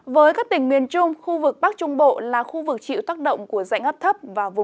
với các tỉnh miền trung khu vực bắc trung bộ là khu vực chịu tác động của dạnh ấp